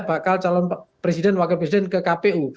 bakal calon presiden dan wakil presiden ke kpu